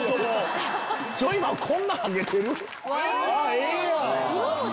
ええやん！